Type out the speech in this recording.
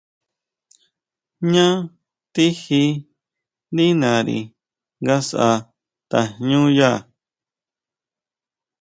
¿Jñá tijí ndí nari nga sʼá tajñúya?